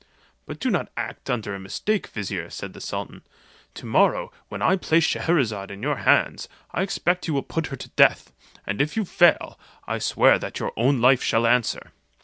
"But do not act under a mistake, vizier," said the sultan; "to morrow. when I place Scheherazade in your hands, I expect you will put her to death; and if you fail, I swear that your own life shall answer."